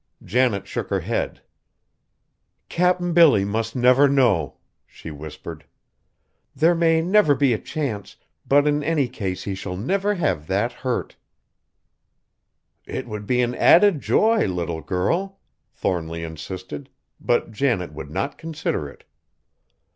Janet shook her head. "Cap'n Billy must never know," she whispered. "There may never be a chance, but in any case he shall never have that hurt." "It would be an added joy, little girl," Thornly insisted, but Janet would not consider it.